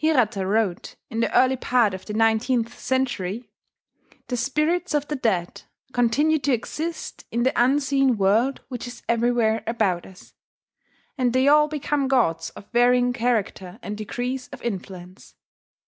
Hirata wrote, in the early part of the nineteenth century: "The spirits of the dead continue to exist in the unseen world which is everywhere about us; and they all become gods of varying character and degrees of influence.